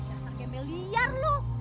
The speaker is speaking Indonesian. asan jempen liar lo